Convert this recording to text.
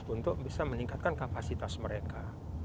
untuk bisa meningkatkan kapasitas mereka